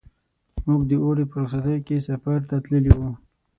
موږ د اوړي په رخصتیو کې سفر ته تللي وو.